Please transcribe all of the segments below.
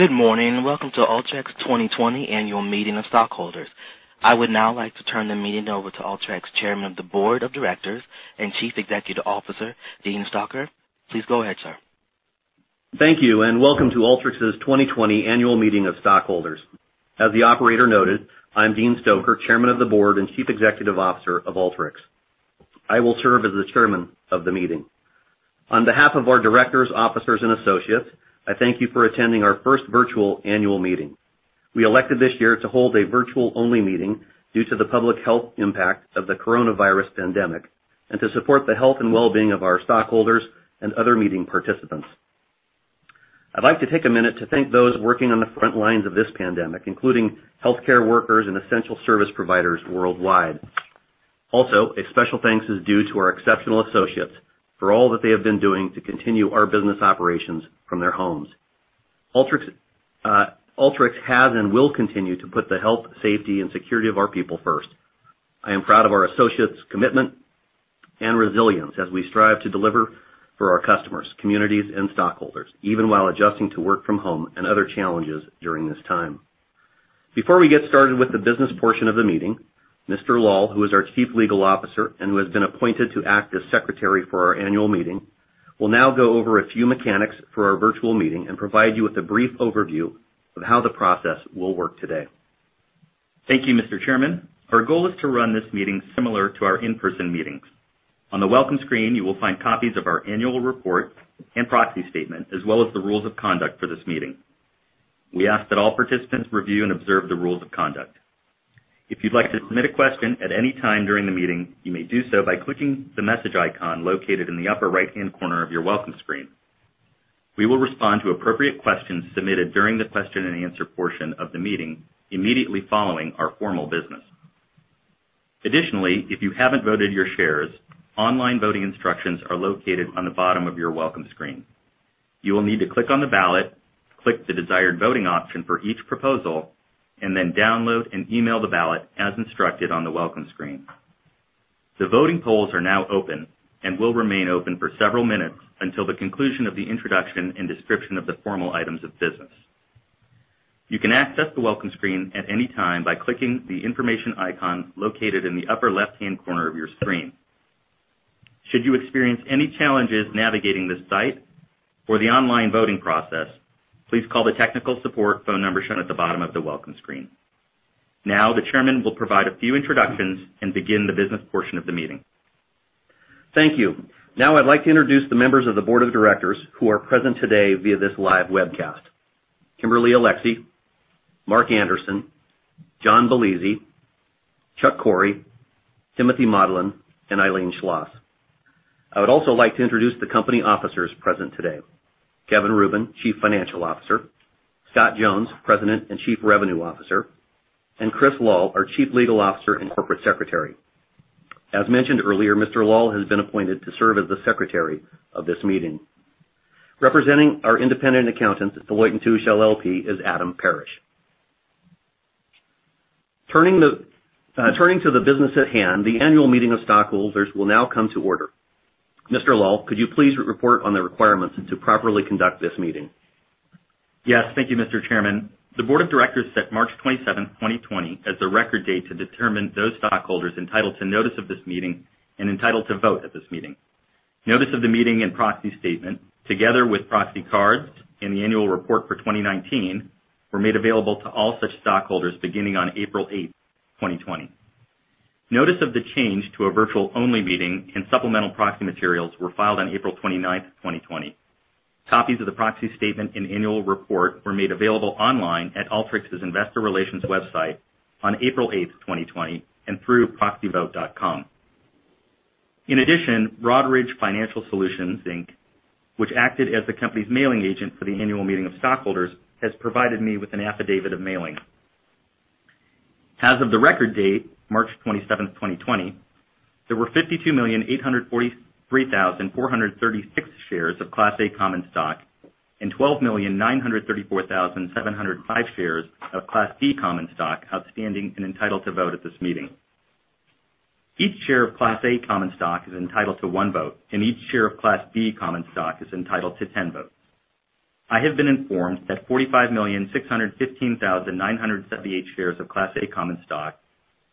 Good morning, welcome to Alteryx 2020 Annual Meeting of Stockholders. I would now like to turn the meeting over to Alteryx Chairman of the Board of Directors and Chief Executive Officer, Dean Stoecker. Please go ahead, sir. Thank you, and welcome to Alteryx's 2020 Annual Meeting of Stockholders. As the operator noted, I'm Dean Stoecker, Chairman of the Board and Chief Executive Officer of Alteryx. I will serve as the chairman of the meeting. On behalf of our directors, officers, and associates, I thank you for attending our first virtual annual meeting. We elected this year to hold a virtual-only meeting due to the public health impact of the coronavirus pandemic and to support the health and well-being of our stockholders and other meeting participants. I'd like to take a minute to thank those working on the front lines of this pandemic, including healthcare workers and essential service providers worldwide. A special thanks is due to our exceptional associates for all that they have been doing to continue our business operations from their homes. Alteryx has and will continue to put the health, safety, and security of our people first. I am proud of our associates' commitment and resilience as we strive to deliver for our customers, communities, and stockholders, even while adjusting to work from home and other challenges during this time. Before we get started with the business portion of the meeting, Mr. Lal, who is our Chief Legal Officer and who has been appointed to act as Secretary for our annual meeting, will now go over a few mechanics for our virtual meeting and provide you with a brief overview of how the process will work today. Thank you, Mr. Chairman. Our goal is to run this meeting similar to our in-person meetings. On the welcome screen, you will find copies of our annual report and proxy statement, as well as the rules of conduct for this meeting. We ask that all participants review and observe the rules of conduct. If you'd like to submit a question at any time during the meeting, you may do so by clicking the message icon located in the upper right-hand corner of your welcome screen. We will respond to appropriate questions submitted during the question and answer portion of the meeting immediately following our formal business. Additionally, if you haven't voted your shares, online voting instructions are located on the bottom of your welcome screen. You will need to click on the ballot, click the desired voting option for each proposal, and then download and email the ballot as instructed on the welcome screen. The voting polls are now open and will remain open for several minutes until the conclusion of the introduction and description of the formal items of business. You can access the welcome screen at any time by clicking the information icon located in the upper left-hand corner of your screen. Should you experience any challenges navigating this site or the online voting process, please call the technical support phone number shown at the bottom of the welcome screen. Now, the chairman will provide a few introductions and begin the business portion of the meeting. Thank you. Now I'd like to introduce the members of the Board of Directors who are present today via this live webcast. Kimberly Alexy, Mark Anderson, John Bellizzi, Chuck Cory, Timothy Maudlin, and Eileen Schloss. I would also like to introduce the company officers present today. Kevin Rubin, Chief Financial Officer, Scott Jones, President and Chief Revenue Officer, and Chris Lal, our Chief Legal Officer and Corporate Secretary. As mentioned earlier, Mr. Lal has been appointed to serve as the secretary of this meeting. Representing our independent accountants at Deloitte & Touche LLP is Adam Parrish. Turning to the business at hand, the annual meeting of stockholders will now come to order. Mr. Lal, could you please report on the requirements to properly conduct this meeting? Yes. Thank you, Mr. Chairman. The board of directors set March 27, 2020, as the record date to determine those stockholders entitled to notice of this meeting and entitled to vote at this meeting. Notice of the meeting and proxy statement, together with proxy cards and the annual report for 2019, were made available to all such stockholders beginning on April 8, 2020. Notice of the change to a virtual-only meeting and supplemental proxy materials were filed on April 29, 2020. Copies of the proxy statement and annual report were made available online at Alteryx's investor relations website on April 8, 2020, and through proxyvote.com. In addition, Broadridge Financial Solutions, Inc., which acted as the company's mailing agent for the annual meeting of stockholders, has provided me with an affidavit of mailing. As of the record date, March 27, 2020, there were 52,843,436 shares of Class A common stock and 12,934,705 shares of Class B common stock outstanding and entitled to vote at this meeting. Each share of Class A common stock is entitled to one vote, and each share of Class B common stock is entitled to 10 votes. I have been informed that 45,615,978 shares of Class A common stock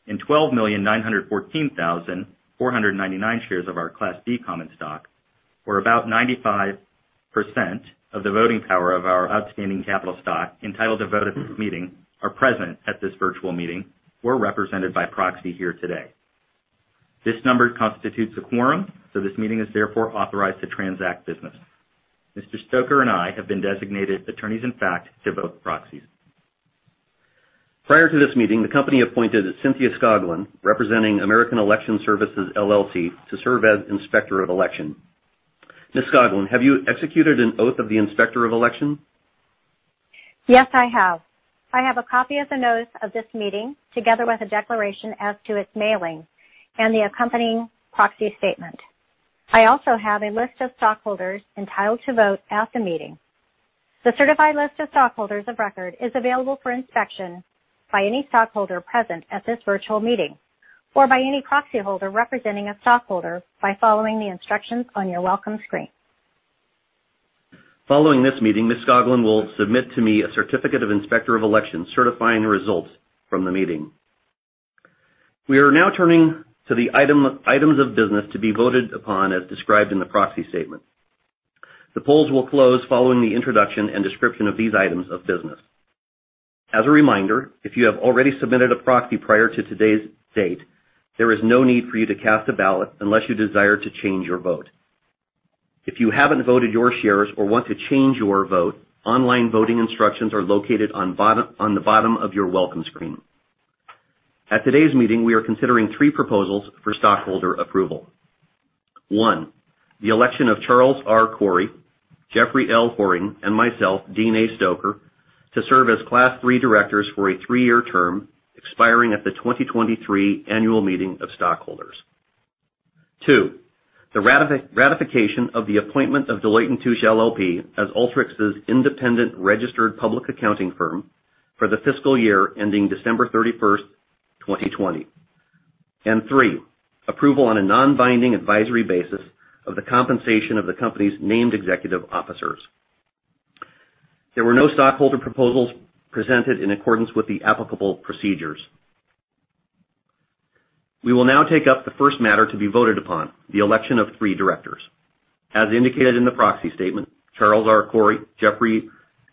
and 12,914,499 shares of our Class B common stock, or about 95% of the voting power of our outstanding capital stock entitled to vote at this meeting, are present at this virtual meeting or represented by proxy here today. This number constitutes a quorum. This meeting is therefore authorized to transact business. Mr. Stoecker and I have been designated attorneys in fact to vote proxies. Prior to this meeting, the company appointed Cynthia Skoglund, representing American Election Services, LLC, to serve as Inspector of Election. Ms. Skoglund, have you executed an oath of the Inspector of Election? Yes, I have. I have a copy of the notice of this meeting, together with a declaration as to its mailing and the accompanying proxy statement. I also have a list of stockholders entitled to vote at the meeting. The certified list of stockholders of record is available for inspection by any stockholder present at this virtual meeting or by any proxy holder representing a stockholder by following the instructions on your welcome screen. Following this meeting, Ms. Skoglund will submit to me a certificate of inspector of elections certifying the results from the meeting. We are now turning to the items of business to be voted upon as described in the proxy statement. The polls will close following the introduction and description of these items of business. As a reminder, if you have already submitted a proxy prior to today's date, there is no need for you to cast a ballot unless you desire to change your vote. If you haven't voted your shares or want to change your vote, online voting instructions are located on the bottom of your welcome screen. At today's meeting, we are considering three proposals for stockholder approval. One, the election of Charles R. Cory, Jeffrey L. Horing, and myself, Dean A. Stoecker, to serve as Class III directors for a three-year term expiring at the 2023 annual meeting of stockholders. Two, the ratification of the appointment of Deloitte & Touche LLP as Alteryx's independent registered public accounting firm for the fiscal year ending December 31st, 2020. Three, approval on a non-binding advisory basis of the compensation of the company's named executive officers. There were no stockholder proposals presented in accordance with the applicable procedures. We will now take up the first matter to be voted upon, the election of three directors. As indicated in the proxy statement, Charles R. Cory, Jeffrey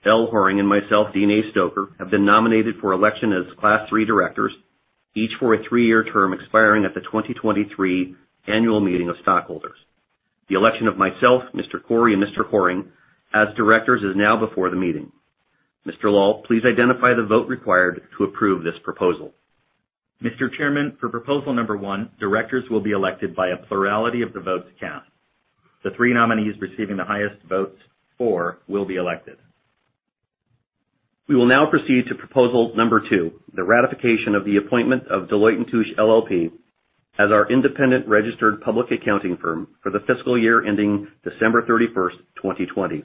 L. Horing, and myself, Dean A. Stoecker, have been nominated for election as Class III directors, each for a three-year term expiring at the 2023 annual meeting of stockholders. The election of myself, Mr. Cory, and Mr. Horing as directors is now before the meeting. Mr. Lal, please identify the vote required to approve this proposal. Mr. Chairman, for proposal number 1, directors will be elected by a plurality of the votes cast. The three nominees receiving the highest votes for will be elected. We will now proceed to proposal number two, the ratification of the appointment of Deloitte & Touche LLP as our independent registered public accounting firm for the fiscal year ending December 31st, 2020.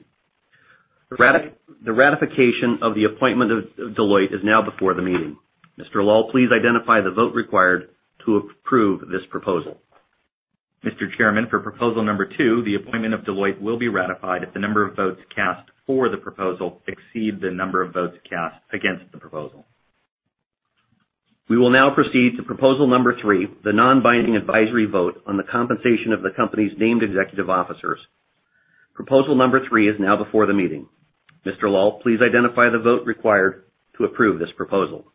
The ratification of the appointment of Deloitte is now before the meeting. Mr. Lal, please identify the vote required to approve this proposal. Mr. Chairman, for proposal number 2, the appointment of Deloitte will be ratified if the number of votes cast for the proposal exceed the number of votes cast against the proposal. We will now proceed to Proposal number three, the non-binding advisory vote on the compensation of the company's named executive officers. Proposal number three is now before the meeting. Mr. Lal, please identify the vote required to approve this proposal.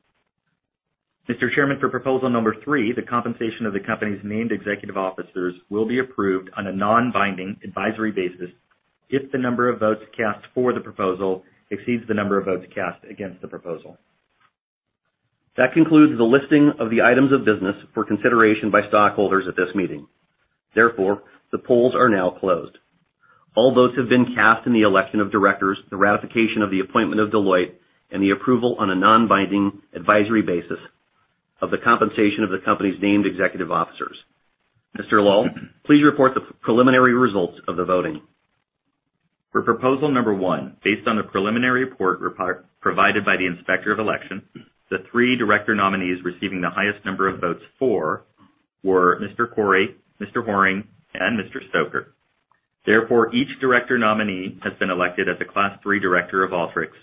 Mr. Chairman, for proposal number three, the compensation of the company's named executive officers will be approved on a non-binding advisory basis if the number of votes cast for the proposal exceeds the number of votes cast against the proposal. That concludes the listing of the items of business for consideration by stockholders at this meeting. The polls are now closed. All votes have been cast in the election of directors, the ratification of the appointment of Deloitte, and the approval on a non-binding advisory basis of the compensation of the company's named executive officers. Mr. Lal, please report the preliminary results of the voting. For proposal number 1, based on the preliminary report provided by the inspector of elections, the 3 director nominees receiving the highest number of votes for were Mr. Cory, Mr. Horing, and Mr. Stoecker. Therefore, each director nominee has been elected as a Class III director of Alteryx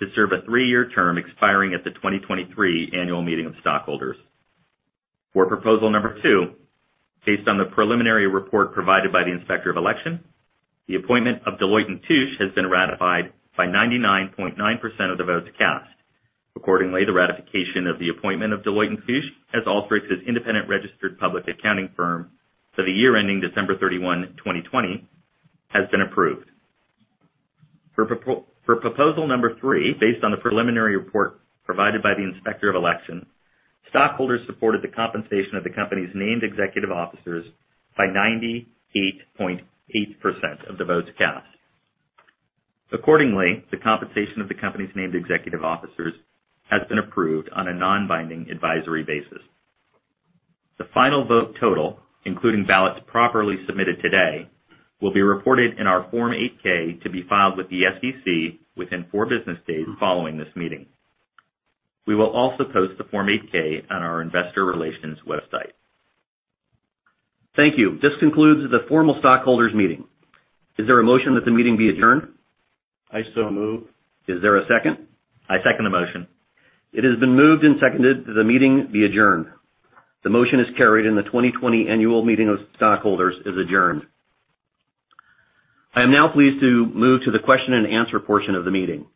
to serve a 3-year term expiring at the 2023 annual meeting of stockholders. For proposal number 2, based on the preliminary report provided by the inspector of election, the appointment of Deloitte & Touche has been ratified by 99.9% of the votes cast. Accordingly, the ratification of the appointment of Deloitte & Touche as Alteryx's independent registered public accounting firm for the year ending December 31, 2020, has been approved. For proposal number three, based on the preliminary report provided by the Inspector of Election, stockholders supported the compensation of the company's named executive officers by 98.8% of the votes cast. Accordingly, the compensation of the company's named executive officers has been approved on a non-binding advisory basis. The final vote total, including ballots properly submitted today, will be reported in our Form 8-K to be filed with the SEC within four business days following this meeting. We will also post the Form 8-K on our investor relations website. Thank you. This concludes the formal stockholders meeting. Is there a motion that the meeting be adjourned? I so move. Is there a second? I second the motion. It has been moved and seconded that the meeting be adjourned. The motion is carried and the 2020 annual meeting of stockholders is adjourned. I am now pleased to move to the question and answer portion of the meeting.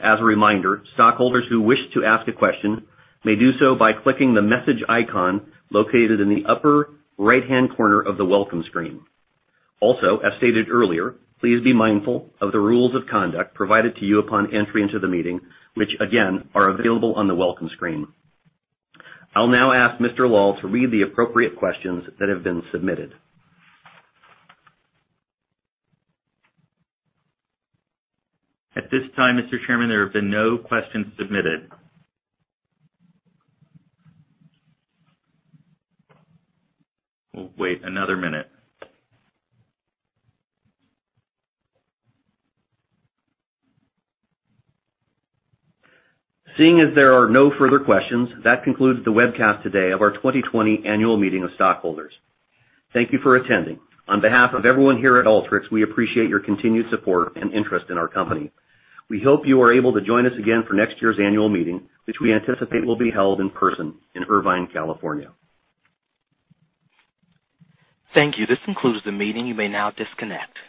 As a reminder, stockholders who wish to ask a question may do so by clicking the message icon located in the upper right-hand corner of the welcome screen. Also, as stated earlier, please be mindful of the rules of conduct provided to you upon entry into the meeting, which again, are available on the welcome screen. I'll now ask Mr. Lal to read the appropriate questions that have been submitted. At this time, Mr. Chairman, there have been no questions submitted. We'll wait another minute. Seeing as there are no further questions, that concludes the webcast today of our 2020 annual meeting of stockholders. Thank you for attending. On behalf of everyone here at Alteryx, we appreciate your continued support and interest in our company. We hope you are able to join us again for next year's annual meeting, which we anticipate will be held in person in Irvine, California. Thank you. This concludes the meeting. You may now disconnect.